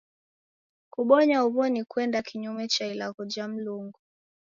Kubonya huw'o ni kuenda kinyume cha ilagho ja Mlungu.